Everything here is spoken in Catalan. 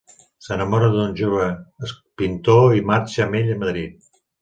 S’enamora d'un jove pintor i marxa amb ell a Madrid.